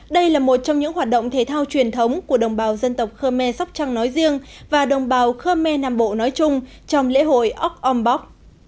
đây là một trong những hoạt động thể thao truyền thống của đồng bào dân tộc khmer sóc trăng nói riêng và đồng bào khmer nam bộ nói chung trong lễ hội ok om bok